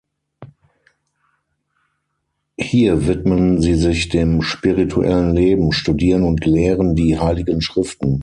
Hier widmen sie sich dem spirituellen Leben, studieren und lehren die heiligen Schriften.